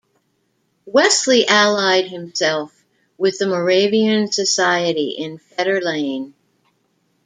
Wesley allied himself with the Moravian society in Fetter Lane.